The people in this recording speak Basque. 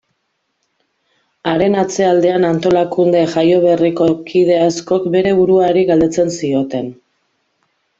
Haren atzealdean, antolakunde jaioberriko kide askok bere buruari galdetzen zioten.